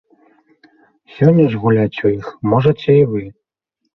Сёння згуляць у іх можаце і вы!